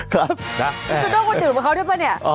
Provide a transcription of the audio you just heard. คุณต้องกดดื่มเขาด้วยป่ะนี่